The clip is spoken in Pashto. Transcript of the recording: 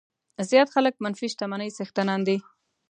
زیات خلک منفي شتمنۍ څښتنان دي.